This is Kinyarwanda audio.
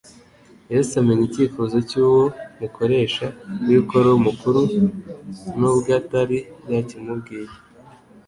Yesu amenya ikifuzo cy'uwo mukoresha w'ikoro mukuru, nubwatari yakimubwiye.